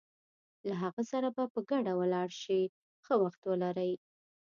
له هغه سره به په ګډه ولاړ شې، ښه وخت ولرئ.